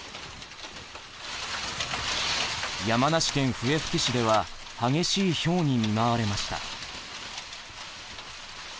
山梨県笛吹市では激しいひょうに見舞われました。